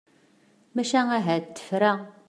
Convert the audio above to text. Maca ahat tefra.